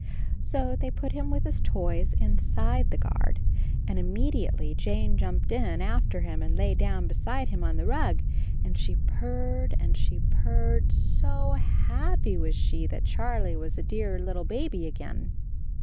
So they put him with his toys inside the guard, and immediately Jane jumped in after him and lay down be side him on the rug, and she purred and she purred, so happy was she that Charlie was a dear little baby again.